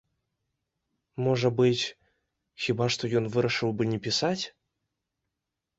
Можа быць, хіба што, ён вырашыў бы не пісаць?